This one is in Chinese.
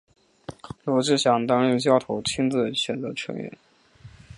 罗志祥担任教头亲自选择队员。